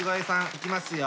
いきますよ